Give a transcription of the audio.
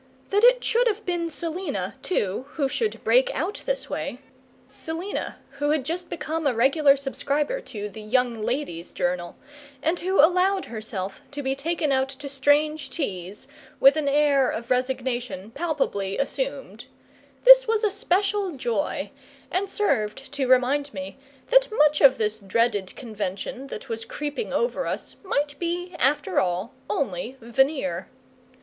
That it should have been Selina, too, who should break out this way Selina, who had just become a regular subscriber to the "Young Ladies' Journal," and who allowed herself to be taken out to strange teas with an air of resignation palpably assumed this was a special joy, and served to remind me that much of this dreaded convention that was creeping over us might be, after all, only veneer.